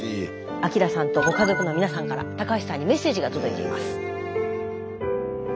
明さんとご家族の皆さんから高橋さんにメッセージが届いています。